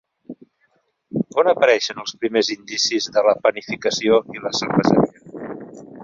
On apareixen els primers indicis de la panificació i la cerveseria?